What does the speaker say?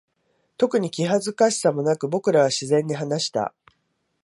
特に気恥ずかしさもなく、僕らは自然に話した。